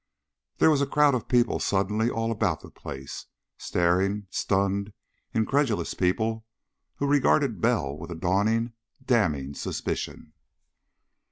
There was a crowd of people suddenly all about the place. Staring, stunned, incredulous people who regarded Bell with a dawning, damning suspicion.